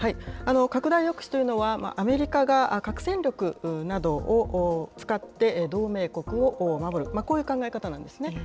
拡大抑止というのは、アメリカが核戦力などを使って同盟国を守る、こういう考え方なんですね。